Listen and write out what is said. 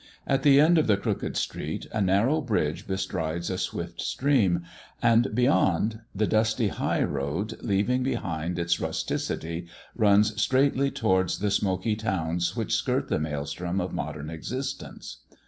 At the end of the crooked street a narrow bridge bestrides a swift stream, and beyond, the dusty high road, leaving behind its justicity, runs straightly towards the smoky towns which skirt the maelstrom of modern existence.